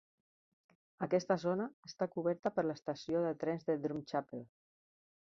Aquesta zona està coberta per l"estació de trens de Drumchapel.